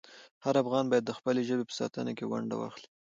هر افغان باید د خپلې ژبې په ساتنه کې ونډه واخلي.